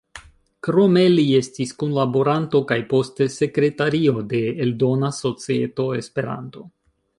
Krome li estis kunlaboranto kaj poste sekretario de Eldona Societo Esperanto.